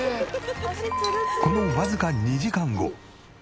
このわずか２時間後。